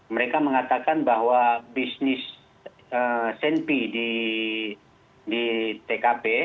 mereka mengatakan bahwa bisnis senpi di tkp